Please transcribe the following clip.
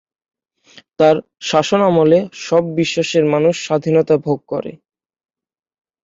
তার শাসনামলে সব বিশ্বাসের মানুষ স্বাধীনতা ভোগ করে।